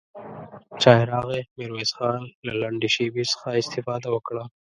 چای راغی، ميرويس خان له لنډې شيبې څخه استفاده وکړه.